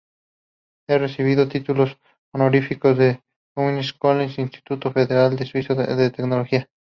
Ha recibido títulos honoríficos de Bowdoin College y el Instituto Federal Suizo de Tecnología.